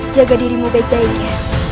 jaga dirimu baik baik ya